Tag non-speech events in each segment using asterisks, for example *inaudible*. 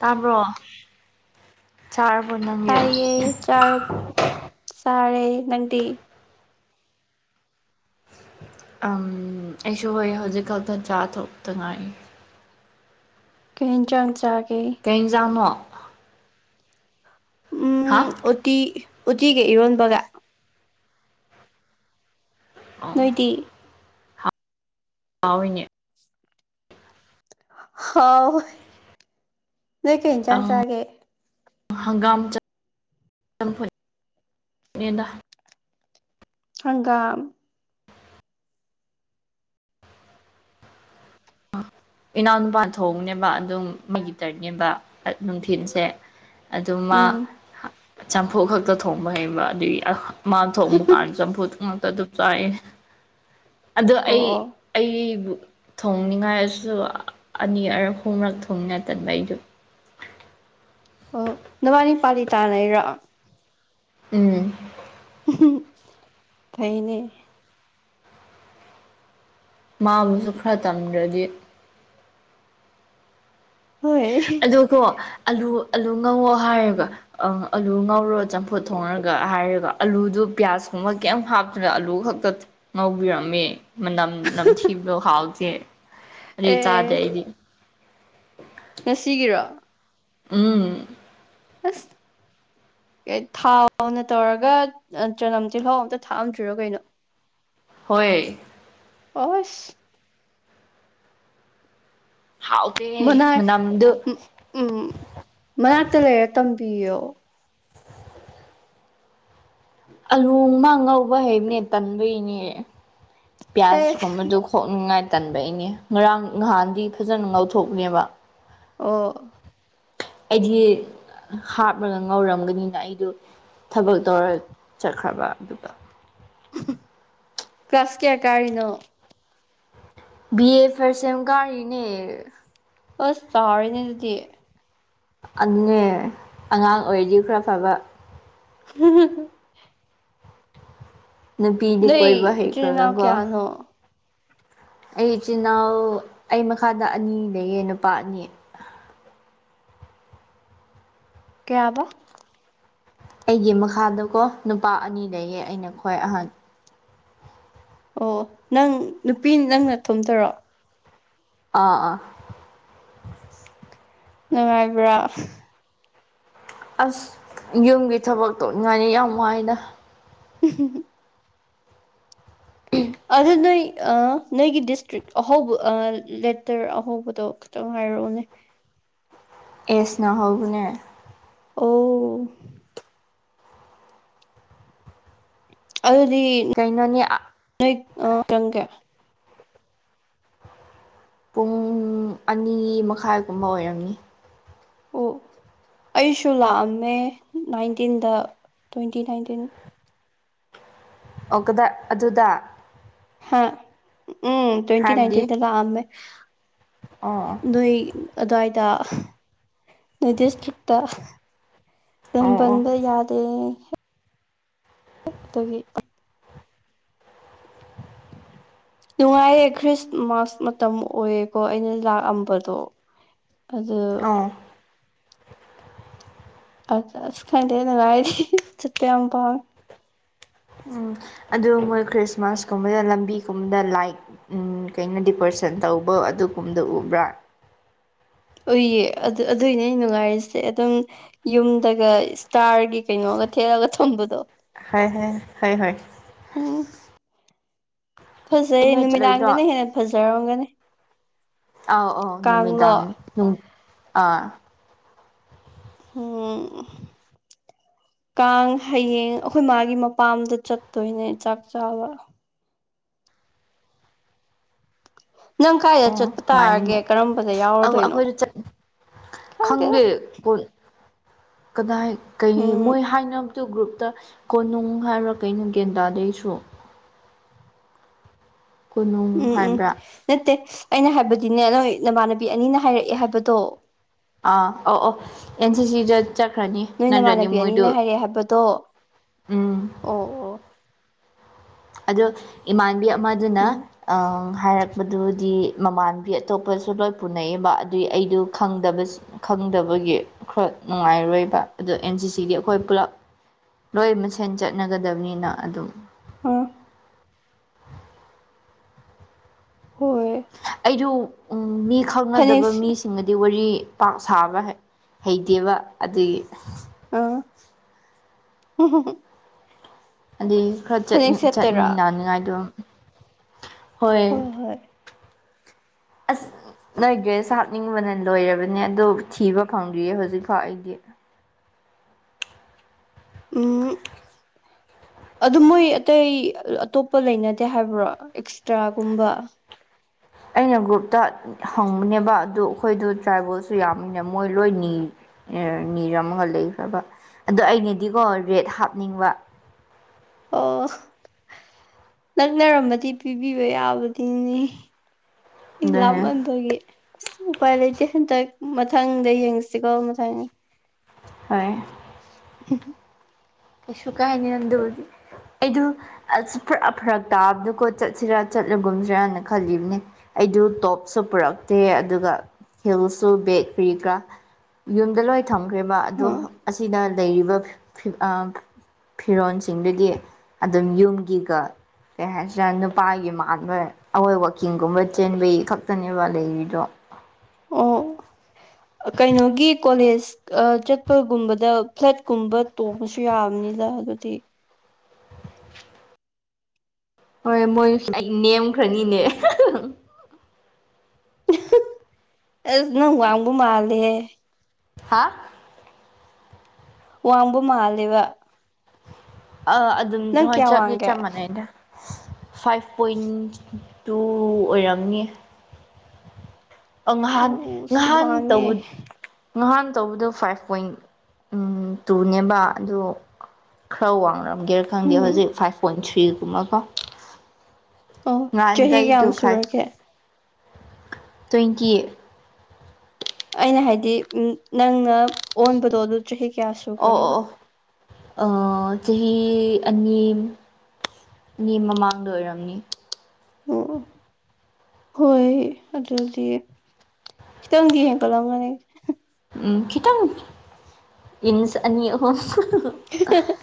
ꯇꯥꯕ꯭ꯔꯣ ꯆꯥꯔꯕ ꯅꯪ ꯇꯥꯏꯌꯦ ꯆꯥ ꯆꯥꯔꯦ ꯅꯪꯗꯤ ꯑꯩꯁꯨ ꯍꯣꯏ ꯍꯧꯖꯤꯛ ꯈꯛꯇ ꯆꯥ ꯊꯣꯛꯇꯉꯥꯏ ꯀ ꯆꯜꯁꯒꯦ ꯀꯩꯖꯥꯝꯃꯣ ꯎꯝ ꯍꯥ ꯎꯇꯤ ꯎꯇꯤꯒ ꯏꯔꯣꯟꯕꯒ꯫ ꯑꯣ ꯅꯣꯏꯗꯤ꯫ ꯍꯥꯎꯋꯤꯅꯦ꯫ ꯍꯥꯎ ꯅꯣꯏ ꯀꯩ ꯏꯟꯖꯥꯡ ꯑꯥ ꯆꯥꯒꯦ꯫ ꯍꯪꯒꯥꯝ ꯆꯥꯝꯐꯨꯠ ꯅꯦꯗ꯫ ꯍꯪꯒꯥꯝ꯫ ꯏꯅꯥꯎ ꯅꯨꯨꯄꯥ ꯊꯣꯡꯕꯅꯦꯕ ꯑꯗꯨꯝ ꯃꯒꯤꯇꯔꯅꯦꯕ꯫ ꯅꯨꯡꯊꯤꯤꯟꯁꯦ ꯑꯗꯨ ꯎꯝ ꯃꯥ ꯆꯥꯝꯐꯨꯠ ꯈꯛꯇ ꯊꯣꯡꯕ ꯍꯩꯕ ꯑꯗꯨꯒꯤ ꯃꯥ ꯊꯣꯡꯕ ꯀꯥꯟ ꯆꯝꯐꯨꯠ ꯉꯥꯛꯇ ꯑꯗꯨꯝ ꯆꯥꯏꯌꯦ ꯑꯗꯣ ꯑꯣ ꯑꯩ ꯑꯣ ꯑꯩꯕꯨ ꯊꯣꯡꯅꯤꯡꯉꯥꯏ ꯁꯨ ꯑꯅꯤꯔꯛ ꯑꯍꯨꯝꯔꯛ ꯊꯣꯡꯉꯦ ꯇꯟꯕ ꯑꯩꯁꯨ ꯑꯣ ꯅꯕꯥꯅꯤ ꯄꯥꯥꯂꯤ ꯇꯥꯅꯩꯔꯣ ꯎꯝ ꯐꯩꯅꯦ꯫ ꯃꯥꯡꯕꯁꯨ ꯈꯔ ꯇꯝꯗ꯭ꯔꯗꯤ꯫ ꯍꯣꯏ꯫ ꯑꯗꯨ ꯀꯣ ꯑꯥꯂꯨ ꯑꯥꯂꯨ ꯉꯧꯋꯣ ꯍꯥꯏꯌꯦꯕ꯫ ꯑꯪ ꯑꯥꯂꯨ ꯉꯧꯔꯣ ꯆꯝꯐꯨꯠ ꯊꯣꯡꯉꯒ ꯍꯥꯏꯔꯒ ꯑꯥꯂꯨꯗꯨ ꯄꯤꯌꯥꯁꯀꯨꯝꯕ ꯀꯩꯝ ꯍꯥꯞ ꯈꯔ ꯑꯂꯨ ꯈꯛꯇ ꯉꯧꯕꯤꯔꯝꯃꯦ ꯃꯅꯝ꯫ ꯅꯝꯊꯤꯕꯗꯣ ꯍꯥꯎꯇꯦ ꯑꯗꯨ ꯑꯦ ꯆꯥꯗ꯭ꯔꯦ ꯑꯩꯗꯤ꯫ ꯉꯥꯁꯤꯒꯤꯔꯣ꯫ ꯎꯝ꯫ ꯑꯁ ꯫ ꯊꯥꯎꯅ ꯇꯧꯔꯒ ꯆꯅꯝ ꯇꯤꯜꯍꯧ ꯑꯝꯇ ꯊꯥꯛꯑꯝꯗ꯭ꯔꯤꯔꯣ ꯀꯩꯅꯣ꯫ ꯍꯣꯏ꯫ ꯑꯁ꯫ ꯍꯥꯎꯇꯦꯍꯦ ꯃꯅꯥꯛ ꯃꯥꯅꯝꯗꯨ꯫ ꯎꯝ ꯃꯅꯥꯛꯇ ꯂꯩꯔ ꯇꯝꯕꯤꯌꯣ꯫ ꯑꯥꯂꯨ ꯑꯃ ꯉꯧꯕ ꯍꯩꯕꯅꯦ ꯇꯟꯕꯒꯤꯅꯦ ꯑꯦ ꯄꯤꯌꯥꯁꯀꯨꯝꯕꯗꯨ꯫ ꯈꯣꯛꯅꯤꯡꯉꯥꯏ ꯇꯟꯕꯩꯅꯦ ꯉꯔꯥꯡ ꯉꯍꯥꯟꯗꯤ ꯐꯖꯥꯅ ꯉꯧꯊꯣꯛꯄꯅꯦꯕ꯫ ꯑꯣ꯫ ꯑꯩꯗꯤ ꯍꯥꯞꯂꯒ ꯉꯧꯔꯝꯒꯅꯤꯅ ꯑꯩꯗꯨ꯫ ꯊꯕꯛ ꯇꯧꯔ ꯆꯠꯈ꯭ꯔꯕ ꯑꯗꯨꯒ꯫ ꯀ꯭ꯂꯥꯁ ꯀꯌꯥ ꯀꯥꯔꯤꯅꯣ꯫ ꯕꯤ ꯑꯦ ꯐꯥꯔꯁ ꯁꯦꯝ ꯀꯥꯔꯤꯅꯦ꯫ ꯑꯁ ꯆꯥꯎꯅꯦ ꯑꯗꯨꯗꯤ꯫ ꯑꯗꯨꯅꯦ ꯑꯉꯥꯡ ꯑꯣꯏꯔꯗꯤ ꯈꯔ ꯐꯕ꯫ *unintelligible* ꯅꯨꯄꯤꯗꯤ ꯅꯣꯏ ꯀꯣꯏꯕ ꯏꯆꯤꯜ ꯏꯅꯥꯎ ꯍꯩꯈꯔꯒꯀꯣ꯫ ꯀꯌꯥꯅꯣ ꯑꯩ ꯏꯆꯤꯟ ꯏꯅꯥꯎ ꯑꯩ ꯃꯈꯥꯗ ꯑꯅꯤ ꯂꯩꯌꯦ ꯅꯨꯄꯥ ꯑꯅꯤ꯫ ꯀꯌꯥꯕ꯫ ꯑꯩꯒꯤ ꯃꯈꯥꯗ ꯀꯣ ꯅꯨꯄꯥ ꯑꯅꯤ ꯂꯩꯌꯦ ꯑꯩꯅ ꯈ꯭ꯋꯥꯏ ꯑꯥꯍꯟ꫰꫰ ꯑꯣ ꯅꯪ ꯅꯨꯄꯤ ꯅꯪ ꯅꯥꯇꯣꯝꯇꯥꯔꯣ꯫ ꯑꯥ ꯑꯥ꯫ ꯅꯨꯡꯉꯥꯏꯕ꯭ꯔꯥ꯫ ꯑꯁ ꯌꯨꯝꯒꯤ ꯊꯕꯛ ꯇꯣꯛꯅꯤꯡꯉꯥꯏꯅꯤ ꯌꯥꯝ ꯋꯥꯥꯏꯌꯦꯗ꯫ ꯎꯍꯨ ꯎꯝ ꯑꯗꯨ ꯅꯣꯏ ꯅꯣꯏꯒꯤ ꯗꯤꯁꯇ꯭ꯔꯤꯛ ꯑꯍꯧꯕ ꯂꯦꯇꯔ ꯑꯍꯧꯕꯗꯣ ꯈꯤꯇꯪ ꯍꯥꯏꯔꯛꯑꯣꯅꯦ ꯑꯦꯁꯅ ꯍꯧꯕꯅꯦ ꯑꯣ ꯑꯗꯨꯗꯤ ꯀꯩꯅꯣꯅꯤ ꯑꯩ ꯆꯪꯒꯦ ꯄꯨꯡ ꯑꯅꯤ ꯃꯈꯥꯏꯒꯨꯝꯕ ꯑꯣꯏꯔꯝꯃꯤ ꯑꯣ ꯑꯩꯁꯨ ꯂꯥꯛꯑꯝꯃꯦ ꯅꯥꯏꯟꯇꯤꯟꯗ ꯇ꯭ꯋꯦꯟꯇꯤ ꯅꯥꯏꯟꯇꯤꯟ ꯑꯣ ꯀꯗꯥꯏ ꯑꯗꯨꯗ꯫ ꯍꯥ ꯎꯝ ꯇ꯭ꯋꯦꯟꯇꯤ ꯍꯥꯏꯕꯗꯤ ꯅꯥꯏꯟꯇꯤꯟꯗ ꯂꯥꯛ ꯑꯝꯃꯦ꯫ ꯑꯣ꯫ ꯅꯣꯏ ꯑꯗꯨ꯭ꯋꯥꯏꯗ ꯅꯣꯏ ꯗꯤꯁꯇ꯭ꯔꯤꯛꯇ꯫ ꯑꯣ ꯑꯣ ꯇꯟꯕꯥꯟꯕ ꯌꯥꯗꯦ꯫ ꯗꯒꯤ꯫ ꯅꯨꯡꯉꯥꯏꯌꯦ ꯈ꯭ꯔꯤꯁꯃꯥꯁ ꯃꯇꯝ ꯑꯣꯏꯌꯦꯀꯣ ꯑꯩꯅ ꯂꯥꯛꯑꯝꯕꯗꯣ꯫ ꯑꯗꯨ꯫ ꯑꯣ꯫ ꯑꯁ ꯑꯁ ꯈꯪꯗꯦ ꯅꯨꯡꯉꯥꯏꯔꯗꯤ ꯆꯠꯄ ꯌꯥꯝ ꯄꯥꯝꯃꯦ꯫ ꯎꯝ ꯑꯗꯨ ꯃꯣꯏ ꯈ꯭ꯔꯤꯁꯃꯥꯁꯀꯨꯝꯕꯗ ꯂꯝꯕꯤꯒꯨꯝꯕꯗ ꯂꯥꯏꯛ ꯀꯩꯅꯣ ꯗꯤꯄ꯭ꯔꯦꯁꯟ ꯇꯧꯕ ꯑꯗꯨꯒꯨꯝꯕꯗꯣ ꯎꯕ꯭ꯔꯥ ꯎꯏꯌꯦ ꯑꯗꯨ ꯑꯗꯨꯏꯅꯦ ꯑꯩ ꯅꯨꯡꯉꯥꯏꯔꯤꯁꯦ ꯑꯗꯨꯝ ꯌꯨꯝꯗꯒ ꯏꯁꯇꯥꯔꯒꯤ ꯀꯩꯅꯣꯒ ꯊꯦꯠꯂꯒ ꯊꯝꯕꯗꯣ ꯍ ꯍ ꯍ ꯍꯣꯏ ꯑꯣ ꯐꯖꯩꯌꯦ ꯅꯣꯏ ꯆꯠꯂꯣꯏꯗ꯭ꯔꯣ ꯅꯨꯃꯤꯗꯥꯡꯗꯅ ꯍꯦꯟꯅ ꯐꯖꯔꯝꯒꯅꯤ ꯑꯥꯎ ꯑꯧ ꯀꯥꯡꯂꯣ ꯅꯨꯃꯤꯗꯥꯡ ꯅꯨꯡ ꯑꯥ ꯎꯝ ꯀꯥꯡ ꯍꯌꯦꯡ ꯑꯩꯈꯣꯏ ꯃꯥꯒꯤ ꯃꯄꯥꯝꯗ ꯆꯠꯇꯣꯏꯅꯦ ꯆꯥꯛ ꯆꯥꯕ ꯅꯪ ꯀꯥꯏꯗ ꯆꯠꯄ ꯇꯥꯔꯒꯦ ꯅꯨꯡꯉꯥꯏꯅꯤꯅꯦ ꯀꯔꯝꯕꯗ ꯑꯧ ꯌꯥꯎꯔꯗꯣꯏꯅꯣ ꯑꯩꯈꯣꯏꯗ ꯆꯠ ꯈꯪꯗꯦꯗ ꯈꯪꯗꯦ ꯀꯣꯟ ꯀꯗꯥꯏ ꯀꯩ ꯎꯝ ꯃꯣꯏ ꯍꯥꯏꯅ ꯗꯨ ꯒ꯭ꯔꯨꯞꯇ ꯀꯣꯅꯨꯡ ꯍꯥꯏꯕꯔ ꯀꯩꯅꯣ ꯒ꯭ꯌꯥꯟ ꯇꯥꯗꯦ ꯑꯩꯁꯨ ꯀꯣꯅꯨꯡ ꯎꯝ ꯎꯝ ꯍꯥꯏꯕ꯭ꯔꯥ ꯅꯠꯇꯦ ꯑꯩꯅ ꯍꯥꯏꯕꯗꯤꯅꯦ ꯅꯣꯏ ꯅꯃꯥꯟꯅꯕꯤ ꯑꯅꯤꯅ ꯍꯥꯏꯔꯛꯑꯦ ꯍꯥꯏꯕꯗꯣ ꯑꯥ ꯑꯣ ꯑꯣ ꯑꯦꯟ ꯁꯤ ꯁꯤꯗ ꯆꯠꯈ꯭ꯔꯅꯤ ꯅꯠꯇ꯭ꯔꯗꯤ ꯃꯣꯏꯗꯨ ꯑꯩ ꯍꯥꯏꯕꯗꯣ ꯎꯝ ꯑꯣ ꯑꯣ ꯑꯗꯣ ꯏꯃꯥꯟꯅꯕꯤ ꯑꯃꯗꯨꯅ ꯎꯝ ꯍꯥꯏꯔꯛꯄꯗꯨꯗꯤ ꯃꯃꯥꯟꯕꯤ ꯑꯇꯣꯞꯄꯁꯨ ꯂꯣꯏ ꯄꯨꯅꯩꯑꯕ ꯑꯗꯨꯏ ꯑꯩꯗꯨ ꯈꯪꯗꯕ ꯈꯪꯗꯕꯒꯤ ꯈꯔ ꯅꯨꯡꯉꯥꯏꯔꯣꯏꯕ ꯑꯗꯣ ꯑꯦꯟ ꯁꯤ ꯁꯤ ꯒꯤ ꯑꯩꯈꯣꯏ ꯄꯨꯂꯞ ꯂꯣꯏ ꯃꯥꯁꯦꯟ ꯆꯠꯅꯒꯗꯕꯅꯤꯅ ꯑꯗꯨꯝ ꯑꯣ ꯍꯣꯏ ꯑꯩꯗꯨ ꯃꯤ ꯈꯪꯅꯗꯕ ꯐꯅꯦꯛ ꯃꯤ ꯁꯤꯡꯃꯗꯤ ꯋꯥꯔꯤ ꯄꯥꯛ ꯁꯥꯕ ꯍꯩꯇꯦꯕ ꯑꯗꯒꯤ ꯑꯥ ꯑꯩ ꯈꯔ ꯐꯅꯦꯛ ꯁꯦꯠꯇꯣꯏꯔꯣ ꯆꯠꯃꯤꯟꯅꯅꯤꯉꯥꯏꯗ ꯍꯣꯏ ꯑꯁ ꯅꯣꯏ ꯗ꯭ꯔꯦꯁ ꯍꯥꯞꯅꯤꯡꯕꯅ ꯂꯣꯏꯔꯕꯅꯦ ꯑꯗꯨ ꯊꯤꯕ ꯐꯪꯗ꯭ꯔꯤꯌꯦ ꯍꯧꯖꯤꯛꯐꯥꯎ ꯑꯩꯗꯤ ꯎꯝ ꯑꯗꯨ ꯃꯣꯏ ꯑꯇꯩ ꯑꯇꯣꯞꯄ ꯂꯩꯅꯗꯦ ꯍꯥꯏꯕ꯭ꯔꯣ ꯑꯦꯛꯁꯇ꯭ꯔꯥꯒꯨꯝꯕ ꯑꯩꯅ ꯒ꯭ꯔꯨꯞꯇ ꯍꯪꯕꯅꯦꯕ ꯑꯗꯨ ꯑꯩꯈꯣꯏꯗꯨ ꯇ꯭ꯔꯥꯏꯕꯦꯜꯁꯨ ꯌꯥꯝꯕꯅꯤꯅ ꯃꯣꯏ ꯂꯣꯏ ꯅꯤ ꯅꯤꯔ ꯑꯃꯒ ꯂꯩꯈ꯭ꯔꯕ ꯑꯗꯣ ꯑꯩꯅꯗꯤꯀꯣ ꯔꯦꯠ ꯍꯥꯞꯅꯤꯡꯕ ꯑꯣ *unintelligible* ꯅꯛꯅꯔꯝꯃꯗꯤ ꯄꯤꯕꯤꯕ ꯌꯥꯕꯗꯨꯅꯤ ꯑꯩ ꯑꯗꯨꯅꯦ ꯂꯥꯞꯃꯟꯕꯒꯤ ꯑꯁ ꯎꯄꯥꯏ ꯂꯩꯇꯦ ꯍꯟꯗꯛ ꯃꯊꯪꯗ ꯌꯦꯡꯁꯤꯀꯣ ꯃꯊꯪ ꯍꯣꯏ *unintelligible* ꯀꯩꯁꯨ ꯀꯥꯏꯅꯤ ꯅꯪꯗ ꯑꯩꯗ ꯑꯁ ꯐꯔꯥ ꯐꯔꯛ ꯇꯥꯕꯗꯨꯣꯀꯣ ꯆꯠꯁꯤꯔꯥ ꯆꯠꯂꯣꯒꯨꯝꯁꯤꯔꯅ ꯈꯜꯂꯤꯕꯅꯦ ꯑꯩꯗꯨ ꯇꯣꯞꯁꯨ ꯄꯨꯔꯛꯇꯦ ꯑꯗꯨꯒ ꯍꯤꯜꯁꯨ ꯕꯦꯛ ꯀꯔꯤ ꯀꯔꯥ ꯌꯨꯝꯗ ꯂꯣꯏ ꯊꯝꯈ꯭ꯔꯦꯕ ꯑꯗꯣ ꯑꯁꯤꯅ ꯂꯩꯔꯤꯕ ꯐꯤꯔꯣꯟꯜꯁꯤꯡꯗꯨꯗꯤ ꯑꯗꯨꯝ ꯌꯨꯝꯒꯤꯒ ꯀꯩ ꯍꯥꯏꯁꯤꯅ ꯅꯨꯄꯥꯒꯤ ꯃꯥꯟꯕ ꯑꯩꯈꯣꯏ ꯋꯥꯛꯀꯤꯡꯒꯨꯝꯕ ꯆꯦꯟꯕꯩ ꯈꯛꯇꯅꯦꯕ ꯂꯩꯔꯤꯗꯣ ꯑꯣ ꯀꯩꯅꯣꯒꯤ ꯀꯣꯂꯦꯖ ꯆꯠꯄꯒꯨꯝꯕꯗ ꯐ꯭ꯂꯦꯠꯀꯨꯝꯕ ꯇꯣꯡꯕꯁꯨ ꯌꯥꯕꯅꯤꯗ ꯑꯗꯨꯗꯤ ꯍꯣꯏ ꯃꯣꯏ ꯑꯩ ꯅꯦꯝꯈ꯭ꯔꯅꯤꯅꯦ ꯑꯁ ꯅꯪ ꯋꯥꯡꯕ ꯃꯥꯜꯂꯦ ꯍꯥꯥ ꯋꯥꯡꯕ ꯃꯥꯂꯦꯕ ꯑꯥ ꯑꯗꯨꯝ ꯅꯪ ꯍꯣꯏ ꯀꯌꯥ ꯆꯞꯂꯤ ꯋꯥꯡꯒꯦ ꯆꯞ ꯃꯥꯟꯅꯩꯅꯦ ꯐꯥꯏꯚ ꯄꯣꯏꯟ ꯇꯨ ꯑꯣꯏꯔꯝꯅꯤ ꯉꯍꯥꯟ ꯑꯣ ꯑꯁ ꯉꯍꯥꯟ ꯋꯥꯡꯉꯦ ꯇꯧꯕ ꯉꯍꯥꯟ ꯇꯧꯕꯗꯣ ꯐꯥꯏꯚ ꯄꯣꯏꯟ ꯇꯨꯅꯦꯕ ꯑꯗꯨ ꯈꯔ ꯋꯥꯡꯅꯔꯝꯒꯦꯔ ꯈꯪꯗꯦ ꯍꯧꯖꯤꯛ ꯎꯝ ꯐꯥꯏꯚ ꯄꯣꯏꯟ ꯊ꯭ꯔꯤꯒꯨꯝꯕꯀꯣ ꯑꯣ ꯆꯍꯤ ꯉꯍꯥꯟꯒꯩꯗꯨ ꯀꯌꯥꯝ ꯇꯨ ꯐꯥꯏꯚ ꯁꯨꯔꯒꯦ ꯇ꯭ꯋꯦꯟꯇꯤ ꯑꯩꯅ ꯍꯥꯏꯗꯤ ꯅꯪꯅ ꯑꯣꯟꯕꯗꯣ ꯑꯗꯨ ꯆꯍꯤ ꯀꯌꯥ ꯁꯨ ꯑꯣ ꯑꯣ ꯑꯣ ꯆꯍꯤ ꯑꯅꯤ ꯅꯤ ꯃꯃꯥꯡꯗ ꯑꯣꯏꯔꯝꯅꯤ ꯑꯣ ꯍꯣꯏ ꯑꯗꯨꯗꯤ ꯁꯤꯇꯕꯨꯗꯤ ꯍꯦ ꯀꯂꯝ ꯃ ꯎꯝ ꯀꯈꯤꯇ ꯏꯟꯁ ꯑꯅꯤ ꯑꯍꯨꯝ ꯍꯍ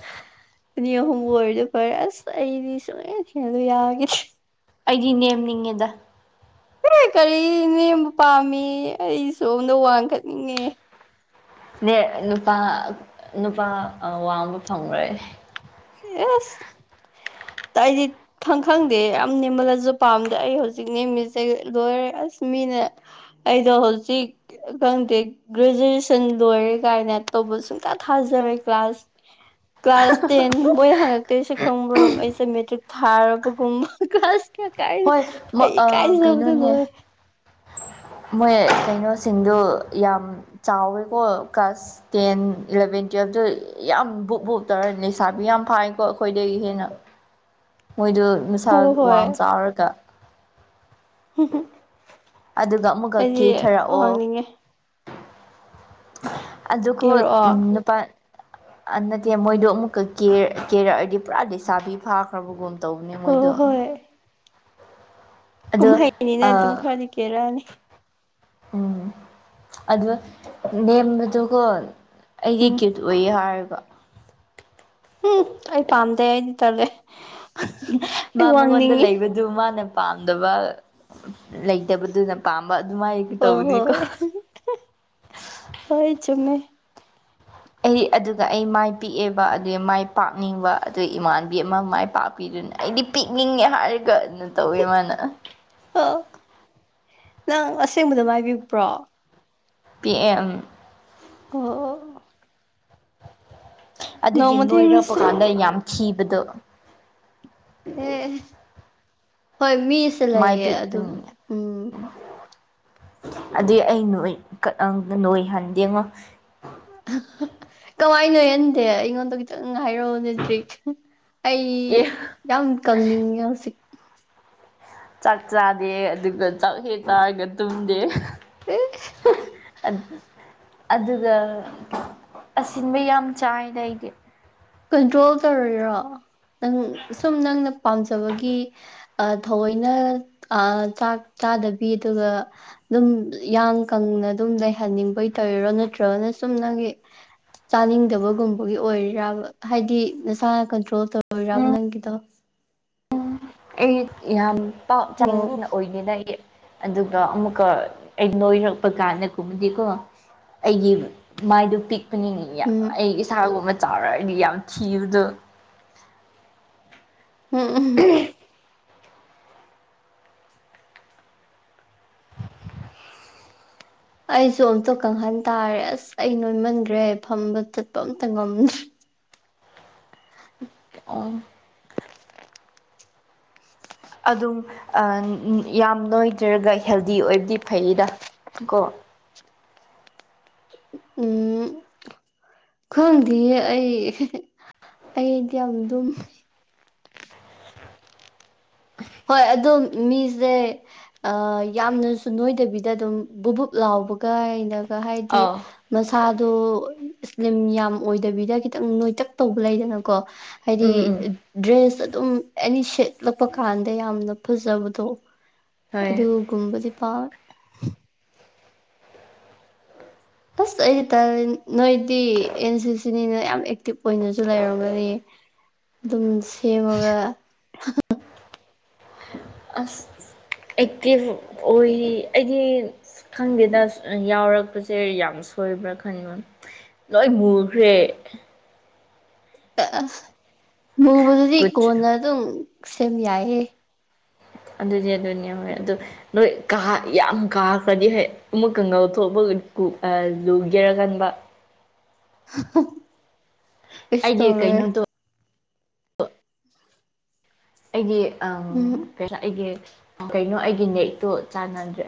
ꯑꯅꯤ ꯑꯍꯨꯝꯕꯨ ꯑꯣꯏꯔꯗꯤ ꯐꯔꯦ ꯑꯁ ꯑꯩꯗꯤ ꯁꯨꯡꯅ ꯊꯦꯡꯂ ꯌꯥꯒꯦ ꯑꯩꯒꯤ ꯅꯦꯝꯅꯤꯡꯉꯦꯗ ꯀ ꯀꯔꯤ ꯅꯦꯝꯕ ꯄꯥꯝꯃꯤ ꯑꯩ ꯁꯣꯝꯗ ꯋꯥꯡꯈꯠꯅꯤꯡꯉꯦ ꯅꯦ ꯅꯨꯄꯥ ꯅꯨꯄꯥ ꯋꯥꯡꯕ ꯐꯪꯪꯂꯣꯏ ꯑꯦꯁ ꯇꯥꯏꯗꯤ ꯈꯪ ꯈꯪꯗꯦ ꯌꯥꯝ ꯅꯦꯝꯃꯜꯂꯁꯨ ꯄꯥꯝꯗ ꯑꯩ ꯍꯧꯖꯤꯛ ꯅꯦꯝꯃꯤꯁꯦ ꯂꯣꯏꯔꯦ ꯑꯁ ꯃꯤꯅ ꯑꯩꯗꯣ ꯍꯧꯣꯜꯁꯤ ꯈꯪꯗꯦ ꯒ꯭ꯔꯦꯖꯨꯑꯦꯁꯟ ꯂꯣꯏꯔꯦ ꯀꯥꯏꯅ ꯇꯧꯕ ꯁꯨꯡꯇ ꯊꯥꯖꯔꯦ ꯀ꯭ꯂꯥꯁ *unintelligible* ꯀ꯭ꯂꯥꯁ ꯇꯦꯟ ꯃꯕꯣꯏ ꯍꯟꯗꯛꯇꯇꯩꯁꯨ ꯈꯪꯕ꯭ꯔꯣ ꯑꯩꯁꯦ ꯃꯦꯇ꯭ꯔꯤꯛ ꯊꯥꯔꯕꯒꯨꯝꯕ ꯀ꯭ꯂꯥꯁ ꯀꯥꯏ ꯍꯣꯏ ꯃ- ꯑꯩ ꯑ, ꯀꯥꯏ ꯅꯃꯗ *unintelligible* ꯀꯩꯅꯣꯅꯦ ꯃꯣꯏ ꯀꯩꯅꯣꯁꯤꯡꯗꯣ ꯌꯥꯝ ꯆꯥꯎꯋꯦꯀꯣ ꯀ꯭ꯂꯥꯁ ꯇꯦꯟ ꯏꯂꯚꯦꯟ ꯇꯨꯌꯦꯜꯞꯇꯨ ꯌꯥꯝ ꯕꯨꯨꯞ ꯕꯨꯨꯞ ꯇꯧꯔꯦ ꯂꯩꯁꯥꯕꯤ ꯌꯥꯝ ꯐꯥꯏꯀꯣ ꯑꯩꯈꯣꯏꯗꯒꯤ ꯍꯦꯟꯅ ꯃꯣꯏꯗꯣ ꯅꯨꯡꯁꯥ ꯍꯣ ꯍꯣꯏ ꯋꯥꯡ ꯆꯥꯎꯔꯒ ꯍꯨ ꯍꯨ ꯑꯗꯨꯒ ꯑꯃꯨꯛꯀ ꯀꯦꯊꯔꯛꯑꯣ ꯋꯥꯡꯅꯤꯡꯉꯦ ꯑꯗꯨꯀꯣ ꯀꯦꯔꯛꯑꯣ ꯅꯨꯄꯥ ꯅꯠꯇꯦ ꯃꯣꯏꯗꯣ ꯑꯃꯨꯛꯀ ꯀꯦꯔꯛꯑꯗꯤ ꯄꯨꯔꯥ ꯂꯩꯗꯤꯁꯥꯕꯤ ꯐꯥ꯭ꯔ ꯐꯕꯒꯨꯝ ꯇꯧꯕꯅꯦ ꯍꯣ ꯃꯣꯏꯗꯣ ꯍꯣꯏ ꯑꯗꯣ ꯀꯨꯝꯍꯩꯅꯤꯅ ꯑ ꯑꯗꯨꯝ ꯈꯔꯗꯤ ꯀꯦꯔꯛꯑꯅꯤ ꯎꯝ ꯑꯗꯨ ꯅꯦꯝꯕꯗꯨꯀꯣ ꯑꯩꯒꯤ ꯎꯝ ꯀꯤꯞ ꯂꯣꯏꯌꯦ ꯍꯥꯏꯔꯒ ꯎꯝ ꯑꯩ ꯄꯥꯝꯗꯦ ꯑꯩꯗꯤ ꯇꯜꯂꯦ ꯑꯩ ꯃꯥ ꯃꯉꯣꯟꯗ ꯋꯥꯡꯅꯤꯡꯉꯤ ꯂꯩꯕꯗꯨ ꯃꯥꯅ ꯄꯥꯝꯗꯕ ꯂꯩ ꯇꯦꯕꯗꯨꯨꯅ ꯄꯥꯝꯕ ꯑꯗꯨꯃꯥꯏ ꯍꯣꯏ ꯇꯧꯕꯅꯤꯀꯣ ꯍꯣꯏ ꯍꯣꯏ ꯆꯨꯝꯃꯦ ꯑꯩ ꯑꯗꯨꯒ ꯑꯩ ꯃꯥꯏ ꯄꯤꯑꯦꯕ ꯑꯗꯨ ꯃꯥꯏ ꯄꯥꯛꯅꯤꯡꯕ ꯑꯗꯨ ꯏꯃꯥꯟꯕꯤ ꯑꯃ ꯃꯥꯏ ꯄꯥꯛ ꯄꯤꯔꯅ ꯑꯩꯗꯤ ꯄꯤꯛꯅꯤꯡꯉꯦ ꯍꯥꯏꯔꯒ ꯑꯗꯨꯅ ꯇꯧꯋꯦ ꯃꯥꯅ ꯑ ꯅꯪ ꯑꯁꯦꯡꯕꯗ ꯃꯥꯏꯕꯤꯛꯄ꯭ꯔꯣ ꯄꯤ ꯑꯦ ꯑꯪ ꯑꯣ ꯑꯗꯨꯒꯤ ꯅꯣꯡꯃ ꯅꯣꯏꯔꯛꯄ ꯊꯦꯡꯅꯁꯦ ꯀꯥꯟꯗ ꯌꯥꯝ ꯊꯤꯕꯗꯣ ꯑꯦ ꯍꯣꯏ ꯃꯤꯁꯦ ꯃꯥꯏ ꯂꯩꯌꯦ ꯑꯗꯨꯝ ꯄꯤꯛꯄꯅꯤꯅ ꯎꯝ ꯑꯗꯨꯏ ꯑꯩ ꯅꯣꯏ ꯅꯣꯏ ꯍꯟ ꯌꯦꯦꯉꯣ ꯀꯃꯥꯏꯅꯣꯍꯟꯗꯦ ꯑꯩꯉꯣꯟꯗꯣ ꯈꯤꯇꯪ ꯍꯥꯏꯔꯛꯑꯣ ꯅꯦ ꯇꯔ꯭ꯤꯛ ꯑꯩ ꯑꯦ ꯌꯥꯝ ꯀꯪꯅꯤꯡꯉꯦ ꯍꯧꯖꯤꯛ ꯆꯥꯛ ꯆꯥꯗꯦ ꯑꯗꯨꯒ ꯆꯥꯛ ꯍꯦꯛ ꯆꯥꯔꯒ ꯇꯨꯝꯗꯦ ꯑꯦ ꯑꯠ ꯑꯗꯨꯒ ꯑꯁꯤꯟꯕ ꯌꯥꯝ ꯆꯥꯏꯗ ꯑꯩꯗꯤ ꯀꯟꯇ꯭ꯔꯣꯜ ꯇꯧꯔꯤꯔꯣ ꯅꯪ ꯁꯨꯝ ꯅꯪꯅ ꯄꯥꯝꯖꯕꯒꯤ ꯁ ꯊꯑꯣꯏꯅ ꯑꯥ ꯆꯥꯛ ꯆꯥꯗꯕꯤ ꯑꯗꯨꯒ ꯗꯨꯝ ꯌꯥꯡ ꯀꯪꯅ ꯑꯗꯨꯝ ꯂꯩꯍꯟꯅꯤꯡꯕꯩ ꯇꯧꯔꯤꯔꯣ ꯅꯠꯇ꯭ꯔꯒꯅ ꯁꯨꯝ ꯅꯪꯒꯤ ꯆꯥꯅꯤꯡꯗꯕꯒꯨꯝꯕꯒꯤ ꯑꯣꯏꯔꯤꯔꯕ ꯍꯥꯏꯗꯤ ꯅꯁꯥꯅ ꯀꯟꯇ꯭ꯔꯣꯜ ꯇꯧꯔꯤꯔꯕ ꯎꯝ ꯅꯪꯒꯤꯗꯣ ꯑꯩ ꯌꯥꯝ ꯄꯥꯛ ꯆꯂꯦꯟꯁ ꯑꯣ ꯑꯣꯏꯗꯦꯗ ꯑꯩ ꯑꯗꯨꯒ ꯑꯃꯨꯛꯀ ꯑꯩ ꯅꯣꯏꯔꯛꯄ ꯀꯥꯟꯗꯒꯨꯝꯕꯗꯤꯀꯣ ꯑꯩꯒꯤ ꯃꯥꯏꯗꯣ ꯄꯤꯛꯄꯅꯤꯅ ꯎꯝ ꯑꯩ ꯏꯁꯥꯒꯨꯝꯕ ꯆꯥꯎꯔꯛꯑꯗꯤ ꯌꯥꯝ ꯊꯤꯕꯗꯣ *unintelligible* ꯑꯩꯁꯨ ꯑꯝꯇ ꯀꯪꯍꯟ ꯇꯥꯔꯦ ꯑꯁ ꯑꯩ ꯅꯣꯏꯃꯟꯒꯔꯦ ꯐꯝꯕ ꯆꯠꯄ ꯑꯝꯇ ꯉꯝꯗ꯭ꯔꯦ ꯑꯣ ꯑꯗꯨꯝ ꯌꯥꯝ ꯅꯣꯏꯗ꯭ꯔꯒ ꯍꯦꯜꯗꯤ ꯑꯣꯏꯕꯗꯤ ꯐꯩꯗ ꯀꯣ ꯎꯝ ꯈꯪꯗꯤꯌꯦ ꯑꯩ ꯑꯩꯗꯤ ꯌꯥꯝ ꯑꯗꯨꯝ ꯍꯣꯏ ꯑꯗꯣ ꯃꯤꯁꯦ ꯑ ꯌꯥꯝꯅꯁꯨ ꯅꯣꯏꯗꯕꯤꯗ ꯑꯗꯨꯝ ꯕꯨꯕꯨꯞ ꯂꯥꯎꯕ ꯒꯥꯏꯅꯒ ꯍꯥꯏꯗꯤ ꯑꯥꯎ ꯃꯁꯥꯗꯨ ꯏꯁꯂꯤꯝ ꯌꯥꯝ ꯑꯣꯏꯗꯕꯤꯗ ꯈꯤꯇꯪ ꯅꯣꯏꯇꯛ ꯇꯧꯕ ꯂꯩꯗꯅꯀꯣ ꯍꯥꯏꯗꯤ ꯎꯝ ꯎꯝ ꯗ꯭ꯔꯦꯁ ꯑꯗꯨꯝ ꯑꯦꯅꯤ ꯁꯦꯠꯂꯛꯄ ꯀꯥꯟꯗ ꯌꯥꯝꯅ ꯐꯖꯕꯗꯣ ꯍꯣꯏ ꯑꯗꯨꯒꯨꯝꯕꯗꯤ ꯄ ꯑꯁ ꯑꯩꯗꯤ ꯇꯜꯂꯤ ꯅꯣꯏꯗꯤ ꯑꯦꯟ ꯁꯤ ꯁꯤꯅꯤꯅ ꯌꯥꯝ ꯑꯦꯛꯇꯤꯚ ꯑꯣꯏꯅꯁꯨ ꯂꯩꯔꯝꯒꯅꯤ ꯑꯗꯨꯝ ꯁꯦꯝꯃꯒ ꯑꯁ ꯑꯦꯛꯇꯤꯚ ꯑꯣꯏꯔꯤ ꯑꯩꯗꯤ ꯈꯪꯗꯦꯗ ꯌꯥꯎꯔꯛꯄꯁꯦ ꯌꯥꯝ ꯁꯣꯏꯕ꯭ꯔꯥ ꯈꯟꯕ ꯂꯣꯏ ꯃꯨꯈ꯭ꯔꯦ ꯃꯨꯕꯗꯗꯤ ꯀꯨꯆ ꯀꯣꯟꯅ ꯑꯗꯨꯝ ꯁꯦꯝ ꯌꯥꯏꯍꯦ ꯑꯗꯨꯅꯦ ꯑꯗꯨꯅꯦ ꯍꯣꯏ ꯑꯗꯨ ꯅꯣꯏ ꯀꯥ ꯌꯥꯝ ꯀꯥꯈ꯭ꯔꯗꯤ ꯍꯣꯏ ꯑꯃꯨꯛꯀ ꯉꯧꯊꯣꯛꯄꯒ ꯀꯨ ꯑ ꯂꯨꯒꯦꯔ ꯈꯟꯕ ꯀꯩꯁꯨ ꯑꯩꯒꯤ ꯇꯧꯔꯣꯏ ꯀꯩꯅꯣꯗꯣ ꯑꯩꯒꯤ ꯑ ꯎꯝ ꯑꯩꯒꯤ ꯀꯩꯅꯣ ꯑꯩꯒꯤ ꯅꯦꯛꯇꯣ ꯆꯥꯟꯅꯗ꯭ꯔꯦ